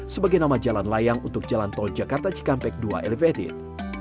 sebagai nama jalan layang untuk jalan tol jakarta cikampek dua elevated